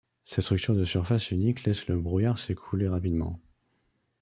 Cette structure de surface unique laisse le brouillard s'écouler rapidement.